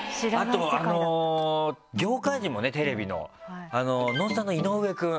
あと業界人もねテレビのノンスタの井上くん